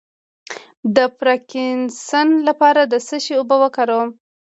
د پارکینسن لپاره د څه شي اوبه وکاروم؟